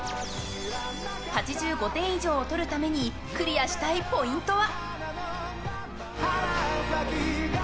８５点以上を取るためにクリアしたいポイントは。